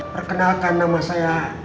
perkenalkan nama saya